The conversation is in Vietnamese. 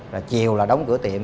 rồi chiều là đóng cửa tiệm